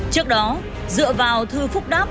trước đó dựa vào thư phúc đáp